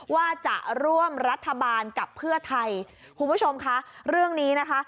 ว่าจะร่วมรัฐบาลกับเพื่อไทยคุณผู้ชมคะเรื่องนี้นะคะ